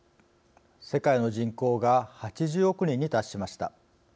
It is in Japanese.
世界の人口が８０億人に達しました。